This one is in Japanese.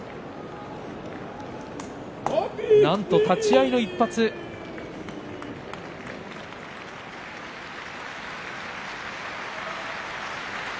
なんと立ち合いの１発でした。